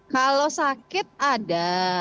kalau sakit ada